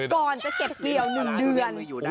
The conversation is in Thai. ก่อนจะเก็บเตียวหนึ่งเดือน